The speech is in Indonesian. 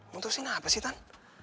putusin apa sih tan